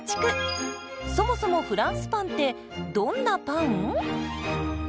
そもそもフランスパンってどんなパン？